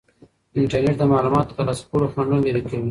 انټرنیټ د معلوماتو د ترلاسه کولو خنډونه لرې کوي.